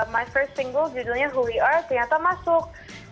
my first single judulnya who we are ternyata masuk